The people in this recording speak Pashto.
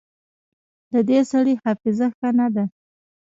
د دې سړي حافظه ښه نه ده